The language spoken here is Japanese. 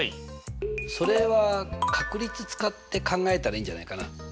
それは確率使って考えたらいいんじゃないかな。